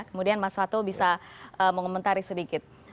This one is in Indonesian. kemudian mas fatul bisa mengomentari sedikit